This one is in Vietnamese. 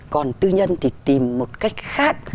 còn tư nhân thì tìm một cách khác